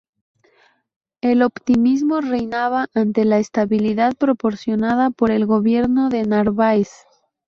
El optimismo reinaba ante la estabilidad proporcionada por el gobierno de Narváez.